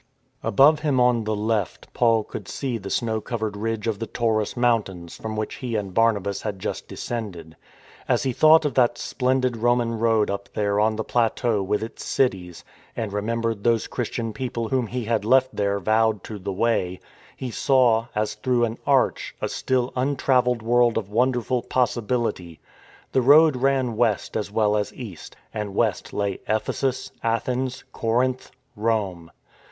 Above him, on the left, Paul could see the snow covered ridge of the Taurus mountains, from which he and Barnabas had just descended. As he thought 154. THE FORWARD TREAD of that splendid Roman road up there on the plateau with its cities, and remembered those Christian people whom he had left there vowed to the Way, he saw, as through an arch, a still untravelled world of won derful possibility. The road ran west as well as east — and west lay Ephesus, Athens, Corinth, Rome.